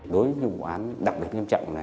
đối với vụ án đặc biệt nghiêm trọng này